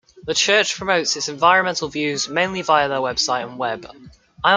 The Church promotes its environmental views mainly via their website and the web.